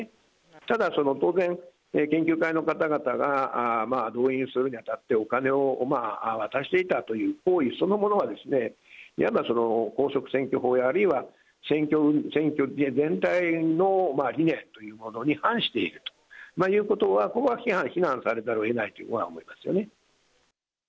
ただ、当然、研究会の方々が動員するにあたって、お金を渡していたという行為そのものは、いわば公職選挙法や、あるいは選挙全体の理念というものに反しているということは、ここは非難されざるをえないとは思いますよね。